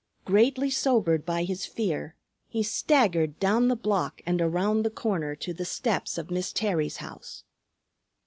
Greatly sobered by his fear, he staggered down the block and around the corner to the steps of Miss Terry's house.